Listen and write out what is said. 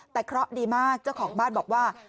แต่เคราะห์ดีมากเจ้าของบ้านบอกว่า